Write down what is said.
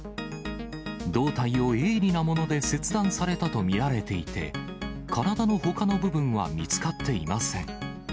胴体を鋭利なもので切断されたと見られていて、体のほかの部分は見つかっていません。